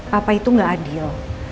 papa itu gak adil